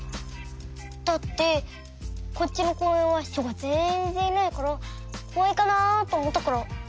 だってこっちのこうえんは人がぜんぜんいないからこわいかなあとおもったから。